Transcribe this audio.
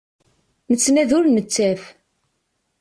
Nettnadi ur nettaf.